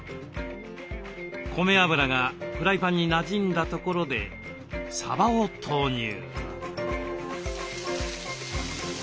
米油がフライパンになじんだところでさばを投入。